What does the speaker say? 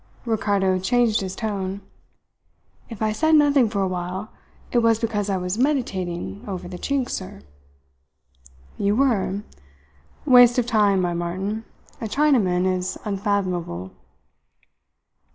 Ricardo changed his tone. "If I said nothing for a while, it was because I was meditating over the Chink, sir." "You were? Waste of time, my Martin. A Chinaman is unfathomable."